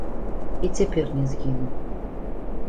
І цяпер не згінуў.